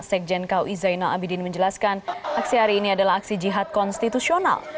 sekjen kui zainal abidin menjelaskan aksi hari ini adalah aksi jihad konstitusional